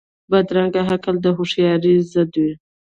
بدرنګه عقل د هوښیارۍ ضد وي